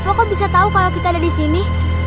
bapak kok bisa tahu kalau kita ada di sini